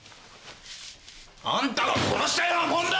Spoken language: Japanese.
「あんたが殺したようなもんだろうがよ！」